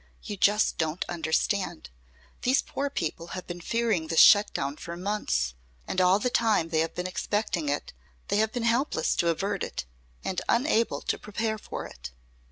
You just don't understand. These poor people have been fearing this shut down for months. And all the time they have been expecting it they have been helpless to avert it and unable to prepare for it."